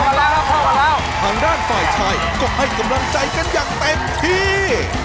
เข้ามาแล้วทางด้านฝ่ายชายก็ให้กำลังใจกันอย่างเต็มที่